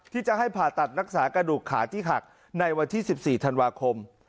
ที่จะให้ผ่าตัดรักษากระดูกขาที่หักในวันที่๑๔ธันวาคม